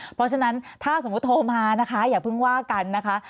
เพราะฉะนั้นถ้าสมมุติโทรมานะคะอย่าเพิ่งว่ากันนะคะ